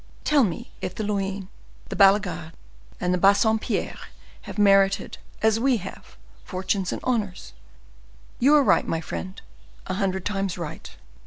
Tell me if the Luynes, the Ballegardes, and the Bassompierres have merited, as we have, fortunes and honors? You are right, my friend, a hundred times right."